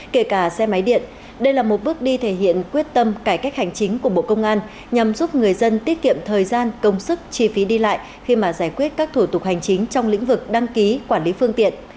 kể cả xe máy điện đây là một bước đi thể hiện quyết tâm cải cách hành chính của bộ công an nhằm giúp người dân tiết kiệm thời gian công sức chi phí đi lại khi mà giải quyết các thủ tục hành chính trong lĩnh vực đăng ký quản lý phương tiện